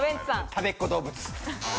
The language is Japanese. たべっ子どうぶつ。